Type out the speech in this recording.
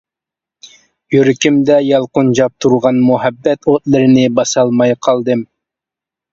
يۈرىكىمدە يالقۇنجاپ تۇرغان مۇھەببەت ئوتلىرىنى باسالماي قالدىم!